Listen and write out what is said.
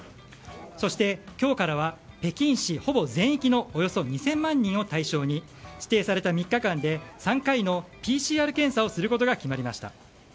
そして、今日からは北京市ほぼ全域のおよそ２０００万人を対象に指定された３日間で３回のＰＣＲ検査をすることが決まりました。